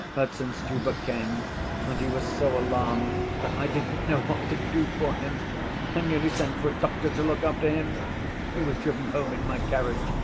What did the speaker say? Herzenstube came, and he was so alarmed that I didn't know what to do for him. I nearly sent for a doctor to look after him. He was driven home in my carriage.